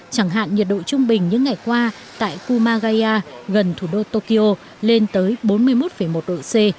chẳng hạn nhiệt độ trung bình những ngày qua tại kumagaya gần thủ đô tokyo lên tới bốn mươi một một độ c